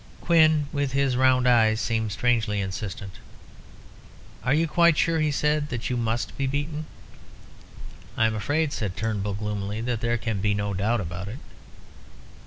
Quin, with his round eyes, seemed strangely insistent. "You are quite sure," he said, "that you must be beaten?" "I am afraid," said Turnbull, gloomily, "that there can be no doubt about it."